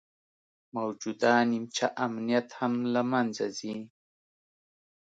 موجوده نیمچه امنیت هم له منځه ځي